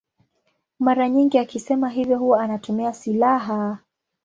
Mara nyingi akisema hivyo huwa anatumia silaha.